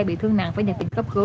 bị thương nặng với nhà tỉnh khắp khứ